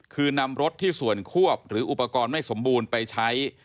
คือนำรถที่ส่วนควบหรืออุปกรณ์ไม่สมบูรณ์ไปใช้